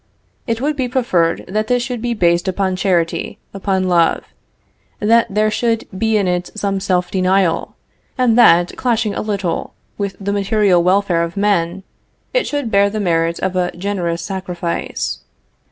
It would be preferred that this should be based upon charity, upon love; that there should be in it some self denial, and that clashing a little with the material welfare of men, it should bear the merit of a generous sacrifice.